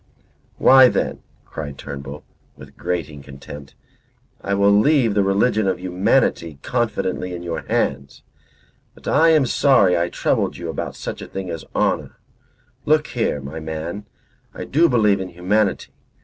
"Why, then," cried Turnbull, with grating contempt. "I will leave the religion of humanity confidently in your hands; but I am sorry I troubled you about such a thing as honour. Look here, my man. I do believe in humanity.